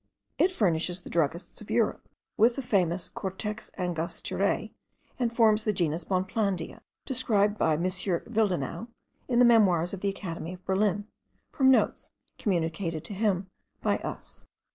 It furnishes the druggists of Europe with the famous Cortex Angosturae, and forms the genus Bonplandia, described by M. Willdenouw in the Memoirs of the Academy of Berlin, from notes communicated to him by us.